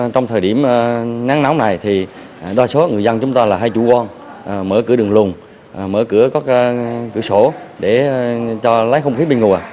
trong thời điểm nắng nóng này thì đa số người dân chúng ta là hay chủ quan mở cửa đường lùng mở cửa các cửa sổ để cho lấy không khí bên ngoài